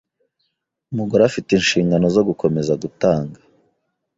umugore afite inshingano zo gukomeza gutanga